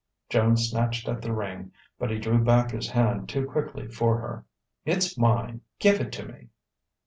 Joan snatched at the ring, but he drew back his hand too quickly for her. "It's mine. Give it to me!"